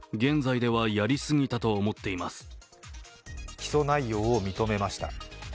起訴内容を認めました。